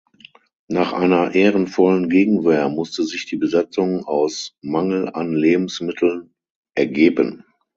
Nach einer ehrenvollen Gegenwehr musste sich die Besatzung aus Mangel an Lebensmitteln ergeben.